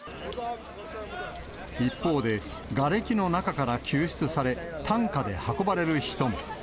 一方で、がれきの中から救出され、担架で運ばれる人も。